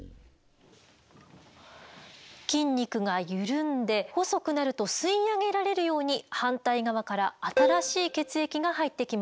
筋肉が緩んで細くなると吸い上げられるように反対側から新しい血液が入ってきます。